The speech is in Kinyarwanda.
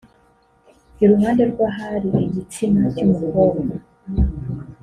iruhande rw’ahari igitsina cy’umukobwa